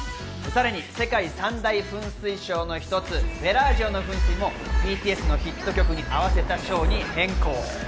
さらに世界三大噴水ショーの一つ、ベラージオの噴水もＢＴＳのヒット曲に合わせたショーに変更。